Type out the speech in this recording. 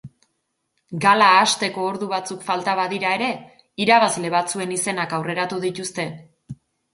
Gala hasteko ordu batzuk falta badira ere, irabazle batzuen izenak aurreratu dituzte.